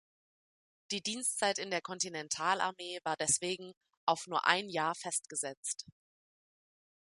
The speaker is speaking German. Die Dienstzeit in der Kontinentalarmee war deswegen auf nur ein Jahr festgesetzt.